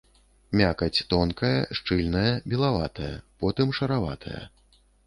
Мякаць тонкая, шчыльная, белаватая, потым шараватая.